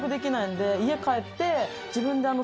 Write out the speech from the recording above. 家帰って。